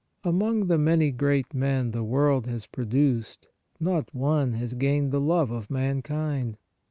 Among the many great men the world has produced, not one has gained the love of mankind.